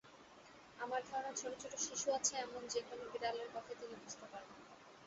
আমার ধারণা, ছোট-ছোট শিশু আছে এমন যে-কোনো বিড়ালের কথাই তিনি বুঝতে পারবেন।